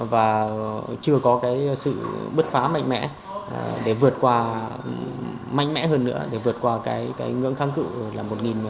và chưa có sự bứt phá mạnh mẽ để vượt qua ngưỡng thăng cự là một một trăm sáu mươi